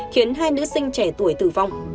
khiến hai nữ sinh trẻ tuổi tử vong